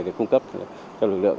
để phung cấp cho lực lượng